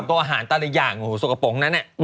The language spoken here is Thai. ตัวอาหารตลาดอย่างสกปรงนั้นเนี่ย